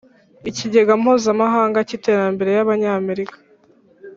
Ikigega Mpuzamahanga cy Iterambere y Abanyamerika